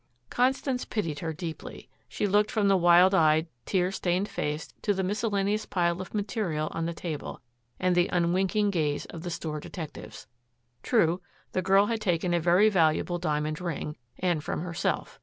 Constance pitied her deeply. She looked from the wild eyed, tear stained face to the miscellaneous pile of material on the table, and the unwinking gaze of the store detectives. True, the girl had taken a very valuable diamond ring, and from herself.